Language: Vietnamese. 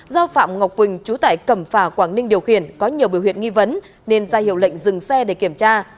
do phạm ngọc quỳnh chú tải cẩm phà quảng ninh điều khiển có nhiều biểu huyệt nghi vấn nên ra hiệu lệnh dừng xe để kiểm tra